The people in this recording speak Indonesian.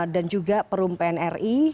dan juga perum pnri